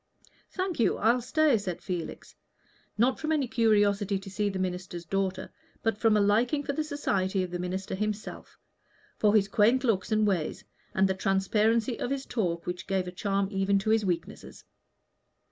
"Thank you, I'll stay," said Felix, not from any curiosity to see the minister's daughter, but from a liking for the society of the minister himself for his quaint looks and ways, and the transparency of his talk, which gave a charm even to his weakness.